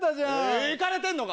イカれてんのか！